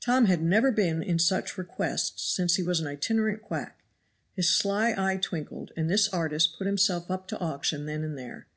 Tom had never been in such request since he was an itinerant quack. His sly eye twinkled, and this artist put himself up to auction then and there.